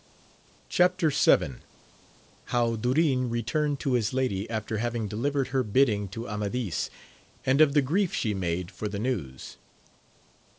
— How Durin returned to his lady after haying de livered her bidding to Amadis, and of the grief she made fov the news.